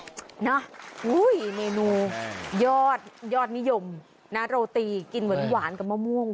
โอ้ยน้าอุ้ยเมนูยอดยอดนิยมนะโรตีกินเหมือนหวานกับมะม่วง